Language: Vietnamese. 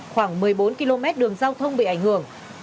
khoảng một mươi bốn km đường giao thông bị ảnh hưởng